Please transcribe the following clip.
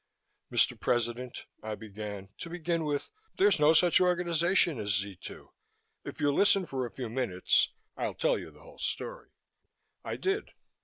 "Mr. President," I began, "to begin with, there's no such organization as Z 2. If you'll listen for a few minutes I'll tell you the whole story." I did.